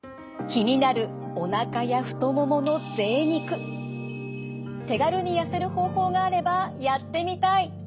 気になるおなかや太ももの手軽に痩せる方法があればやってみたい！